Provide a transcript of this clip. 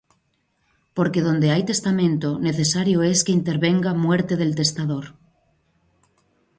Porque donde hay testamento, necesario es que intervenga muerte del testador.